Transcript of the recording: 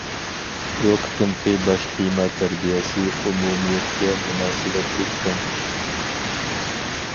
بۇ قېتىمقى باش تېما تەربىيەسى ئومۇمىيەتكە مۇناسىۋەتلىك چوڭ ئىش.